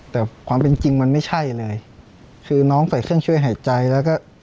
แต่ความเป็นจริงมันไม่ใช่เลยคือน้องใส่เครื่องช่วยหายใจแล้วก็